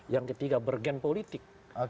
yang ketiga bergen politik